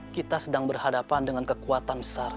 kita sedang berhadapan dengan kekuatan besar